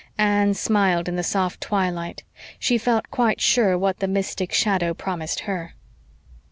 Anne smiled in the soft twilight; she felt quite sure what the mystic shadow promised her.